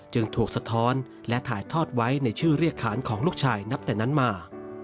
จึงถูกสะท้อนและถ่ายทอดไว้ในชื่อเรียกขานของลูกชายนับแต่นั้นมา